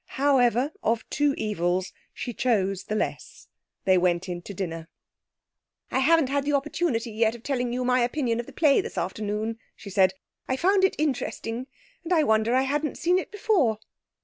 However, of two evils she chose the less. They went in to dinner. 'I haven't had the opportunity yet of telling you my opinion of the play this afternoon,' she said. 'I found it interesting, and I wonder I hadn't seen it before.'